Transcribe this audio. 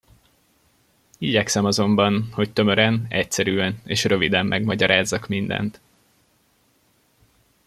Igyekszem azonban, hogy tömören, egyszerűen és röviden megmagyarázzak mindent.